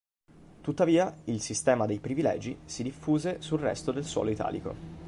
Tuttavia il sistema dei privilegi si diffuse sul resto del suolo italico.